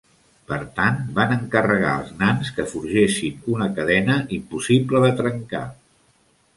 Per tant, van encarregar als nans que forgessin una cadena impossible de trencar.